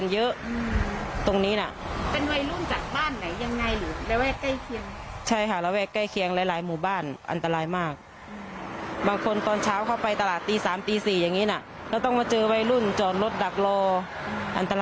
หน่วยงานไหนแก้ได้แก้ด่วน